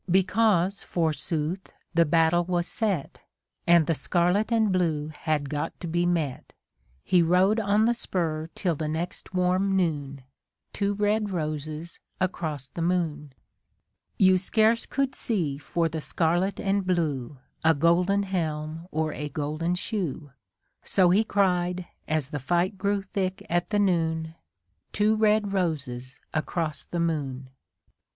Because, forsooth, the battle was set, And the scarlet and blue had got to be met. He rode on the spur till the next warm noon :— Two red roses across the moon. You scarce could see for the scarlet and blue, A golden helm or a golden shoe ; So he cried, as the fight grew thick at the noon. Two red roses across the moon